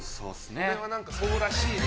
これはそうらしいね。